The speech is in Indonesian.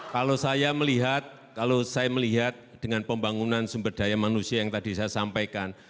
kalau saya melihat kalau saya melihat dengan pembangunan sumber daya manusia yang tadi saya sampaikan